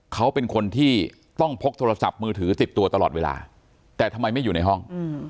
เขาเป็นคนที่ต้องพกโทรศัพท์มือถือติดตัวตลอดเวลาแต่ทำไมไม่อยู่ในห้อง